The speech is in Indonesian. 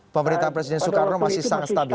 pemerintahan presiden soekarno masih sangat stabil